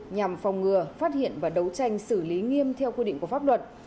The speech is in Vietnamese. nhằm phòng ngừa phát hiện và đấu tranh xử lý nghiêm theo quy định của pháp luật